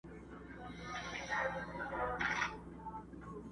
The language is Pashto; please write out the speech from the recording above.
هر څه پر خپل وخت ښه خوند کوي.